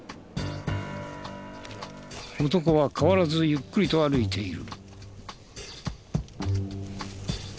男は変わらずゆっくりと歩いている。